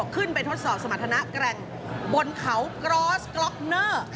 ขึ้นไปทดสอบสมรรถนาแกร่งบนเขากรอสกรอกเนอร์